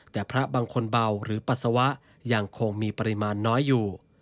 แต่พระบางคนเบาหรือปัสสาวะยังคงมีปริมาณน้อยอยู่